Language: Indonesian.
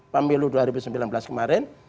pemilu dua ribu sembilan belas kemarin